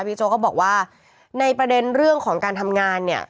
โจ๊กก็บอกว่าในประเด็นเรื่องของการทำงานเนี่ย